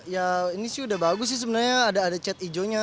ya ini sih udah bagus sih sebenarnya ada ada cat ijonya